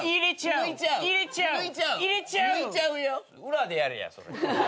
裏でやれやそれ。